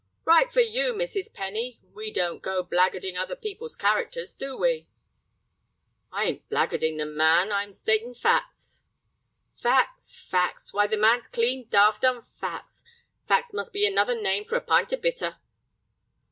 "Right for you, Mrs. Penny. We don't go blackguardin' other people's characters, do we?" "I ain't blackguardin' the man, I'm statin' facts." "Facts, facts—why, the man's clean daft on facts. Facts must be another name for a pint of bitter."